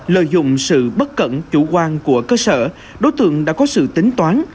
lợi dụng sự bất cẩn chủ quan của cơ sở đối tượng đã có sự tính toán